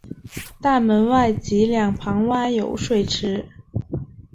大门外及两旁挖有水池。